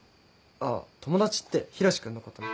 あっ友達って浩志君のことね。